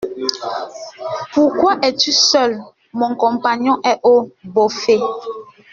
Pourquoi es-tu seul ? Mon compagnon est au Bouffay.